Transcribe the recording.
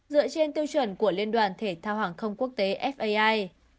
dựa trên tiêu chuẩn của liên đoàn thể thao hàng không quốc tế fai